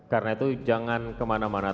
karena itu jangan kemana mana